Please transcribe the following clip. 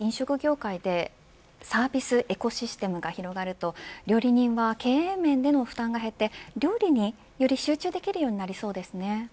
飲食業界でサービス・エコシステムが広がると料理人は経営面での負担が減って料理により集中できるようになりそうですね。